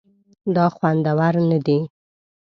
دا خوندور نه دي